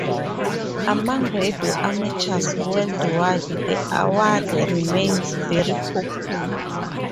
Among radio amateurs worldwide the award remains very popular.